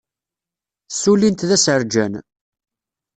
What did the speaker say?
Ssulin-t d asarjan.